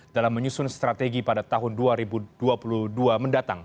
dalam menyusun strategi pada tahun dua ribu dua puluh dua mendatang